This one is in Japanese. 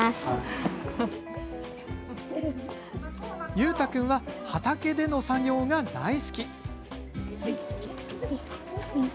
優太君は、畑での作業が大好き。